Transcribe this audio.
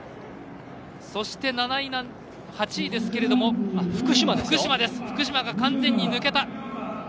そして、８位ですけれども福島が完全に抜けた。